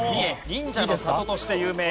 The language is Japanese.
忍者の里として有名。